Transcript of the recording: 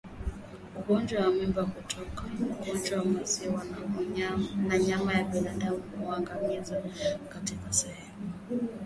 Ugonjwa wa Mimba Kutoka Ugonjwa wa Maziwa na Nyama kwa binadamu yameangaziwa katika sehemu